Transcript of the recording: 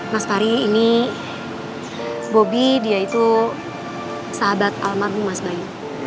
mas pari ini bobby dia itu sahabat almangku mas bayu